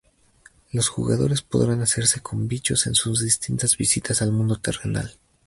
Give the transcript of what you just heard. Los jugadores podrán hacerse con bichos en sus distintas visitas al mundo terrenal.